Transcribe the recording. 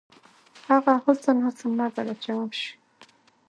هغه حسن، حسن مه ګڼه چې عام شو